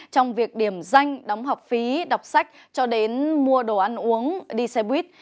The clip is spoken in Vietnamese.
trong việc điểm danh đóng học phí đọc sách cho đến mua đồ ăn uống đi xe buýt